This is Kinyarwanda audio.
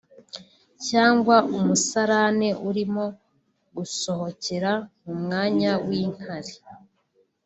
cyangwa umusarane urimo gusohokera mu mwanya w’inkari